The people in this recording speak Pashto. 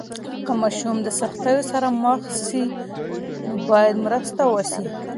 که ماشوم د سختیو سره مخ سي، نو باید مرسته وسي.